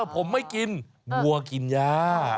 ผมไม่กินวัวกินยา